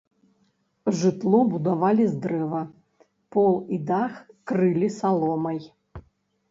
Жытло будавалі з дрэва, пол і дах крылі саломай.